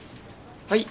はい。